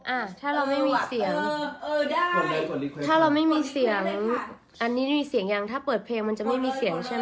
อ่ะถ้าเราไม่มีเสียงเออได้ถ้าเราไม่มีเสียงอันนี้ได้ยินเสียงยังถ้าเปิดเพลงมันจะไม่มีเสียงใช่ไหม